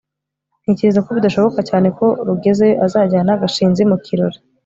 ntekereza ko bidashoboka cyane ko rugeyo azajyana gashinzi mu kirori